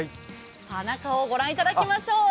中を御覧いただきましょう。